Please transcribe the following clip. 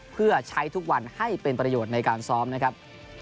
เพื่อใช้ทุกวันให้เป็นประโยชน์ในการซ้อมนะครับ